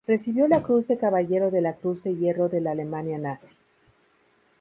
Recibió la Cruz de Caballero de la Cruz de Hierro de la Alemania Nazi.